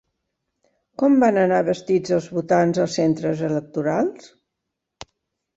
Com van anar vestits els votants als centres electorals?